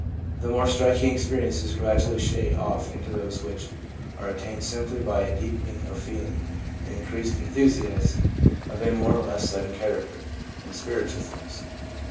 The more striking experiences gradually shade off into those which are attended simply by a deepening of feeling and increased enthusiasm, of a more or less sudden character, in spiritual things.